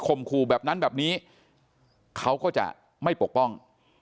คู่แบบนั้นแบบนี้เขาก็จะไม่ปกป้อง